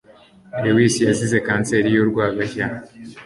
Lewis yazize kanseri yurwagashya